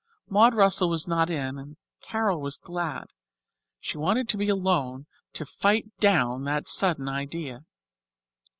Maud Russell was not in and Carol was glad. She wanted to be alone and fight down that sudden idea.